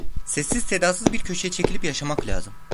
Sessiz sedasız bir köşeye çekilip yaşamak lazım.